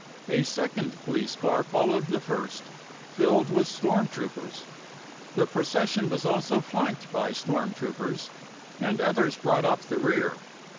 A second police car followed the first, filled with storm troopers. The procession was also flanked by storm troopers, and others brought up the rear.